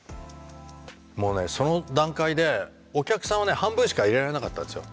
もうねその段階でお客さんはね半分しか入れられなかったんですよ。